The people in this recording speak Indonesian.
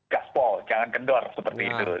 gas pol jangan kendor seperti itu